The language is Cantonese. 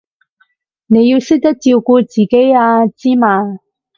你要識得照顧自己啊，知嘛？